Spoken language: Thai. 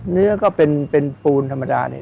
เนื้อก็เป็นปูนธรรมดาเนี่ย